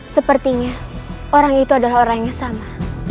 sepertinya orang itu adalah orang yang sama